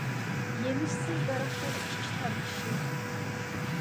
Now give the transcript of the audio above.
يېمىشسىز دەرەختۇر ئىچى تار كىشى.